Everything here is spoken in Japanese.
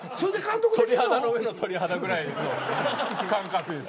鳥肌の上の鳥肌ぐらいの感覚です。